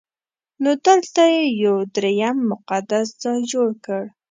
نو دلته یې یو درېیم مقدس ځای جوړ کړ.